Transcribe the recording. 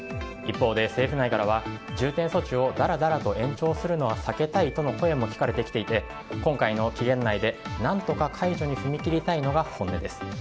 一方で政府内からは重点措置をだらだらと延長するのは避けたいとの声も聞かれていて今回の期限内で何とか解除に踏み切りたいのが本音です。